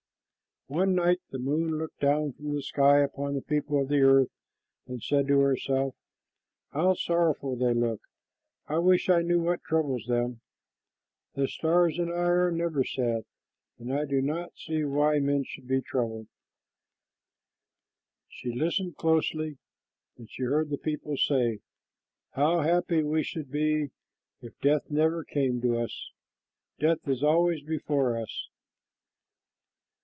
One night the moon looked down from the sky upon the people on the earth and said to herself, "How sorrowful they look! I wish I knew what troubles them. The stars and I are never sad, and I do not see why men should be troubled." She listened closely, and she heard the people say, "How happy we should be if death never came to us. Death is always before us."